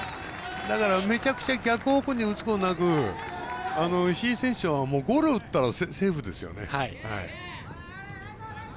めちゃくちゃ逆方向に打つことなく石井選手は、ゴロを打ったらセーフですよね。